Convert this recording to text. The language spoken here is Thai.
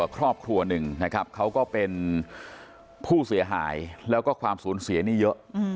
ครอบครัวหนึ่งนะครับเขาก็เป็นผู้เสียหายแล้วก็ความสูญเสียนี่เยอะ